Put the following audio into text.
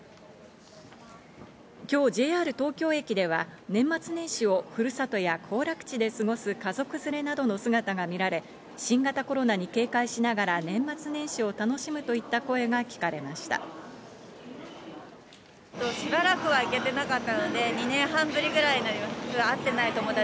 今日ＪＲ東京駅では年末年始をふるさとや行楽地で過ごす家族連れなどの姿が見られ、新型コロナに警戒しながら、年末年始を楽しむといった声が聞かれました。